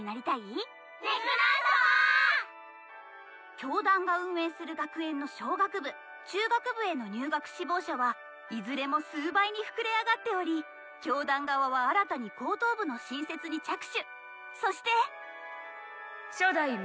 教団が運営する学園の中学部への入学志望者はいずれも数倍に膨れ上がっており教団側は新たに高等部の新設に着手。